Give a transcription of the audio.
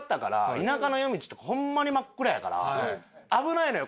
田舎の夜道ってホンマに真っ暗やから危ないのよ